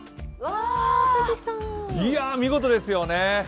いや、見事ですよね。